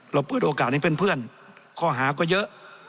เปิดโอกาสให้เพื่อนข้อหาก็เยอะ